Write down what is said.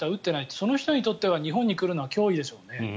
その人たちにとって日本に来るのは脅威でしょうね。